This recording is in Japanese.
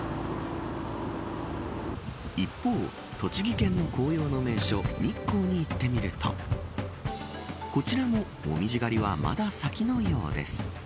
一方、栃木県の紅葉の名所日光に行ってみるとこちらも、紅葉狩りはまだ先のようです。